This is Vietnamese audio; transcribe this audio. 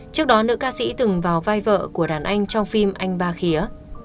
trước đó nữ ca sĩ từng vào vai vợ của đàn anh trong phim anh ba khía